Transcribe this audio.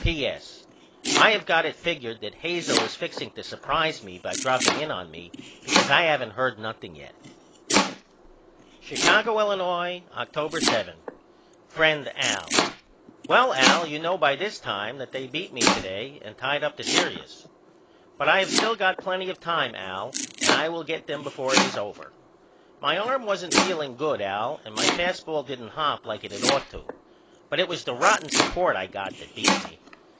P.S. I have got it figured that Hazel is fixing to surprise me by dropping in on me because I haven't heard nothing yet. Chicago, Illinois, October 7. FRIEND AL: Well Al you know by this time that they beat me to day and tied up the serious. But I have still got plenty of time Al and I will get them before it is over. My arm wasn't feeling good Al and my fast ball didn't hop like it had ought to. But it was the rotten support I got that beat me.